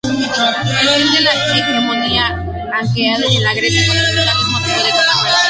El fin de la hegemonía aquea en la Grecia continental es motivo de controversia.